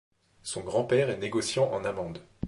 Son grand-père est négociant en amandes.